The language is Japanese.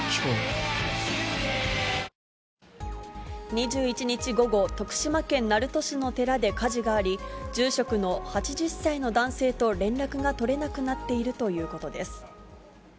２１日午後、徳島県鳴門市の寺で火事があり、住職の８０歳の男性と連絡が取れなくなっているということです。